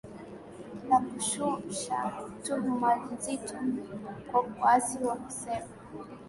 na kushusha tuhma nzito kwa waasi na kusema